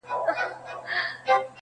په عزت په شرافت باندي پوهېږي.